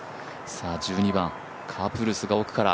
１２番、カプルスが奥から。